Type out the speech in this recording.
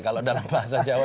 kalau dalam bahasa jawa